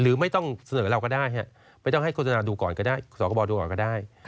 หรือไม่ต้องเสนอเราก็ได้ไม่ต้องให้โฆษณาดูก่อนก็ได้สคบดูก่อนก็ได้